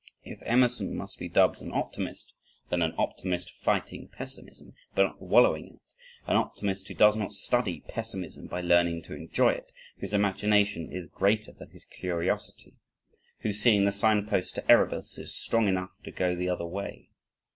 If Emerson must be dubbed an optimist then an optimist fighting pessimism, but not wallowing in it; an optimist, who does not study pessimism by learning to enjoy it, whose imagination is greater than his curiosity, who seeing the sign post to Erebus, is strong enough to go the other way.